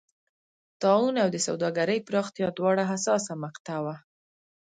طاعون او د سوداګرۍ پراختیا دواړه حساسه مقطعه وه.